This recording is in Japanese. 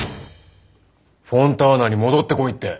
フォンターナに戻ってこいって。